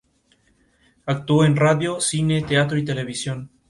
Actuó en radio, cine, teatro y televisión.